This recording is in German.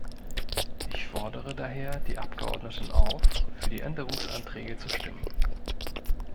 Ich fordere daher die Abgeordneten auf, für die Änderungsanträge zu stimmen.